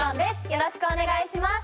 よろしくお願いします。